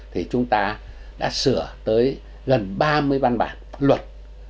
thì chúng ta đã sửa tới gần ba mươi văn bản luật